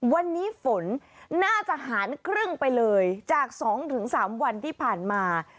วันนี้ฝนน่าจะหารครึ่งไปเลยจาก๒๓วันที่ผ่านมา